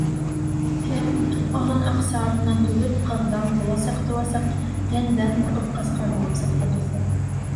Һе, оҙон аҡса артынан түгел, ҡыҙҙан, буласаҡ, тыуасаҡ йәндән ҡурҡып ҡасҡан булып сыҡты дуҫы.